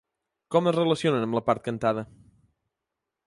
Com es relacionen amb a la part cantada?